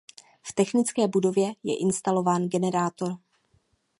V technické budově je instalován generátor.